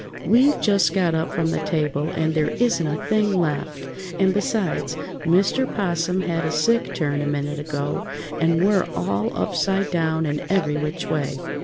We've just got up from the table and there isn't a thing left, and besides, Mr. 'Possum had a sick turn a minute ago, and we're all upside down and every which way."